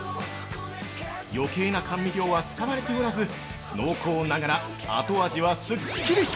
余計な甘味料は使われておらず濃厚ながら後味はスッキリ！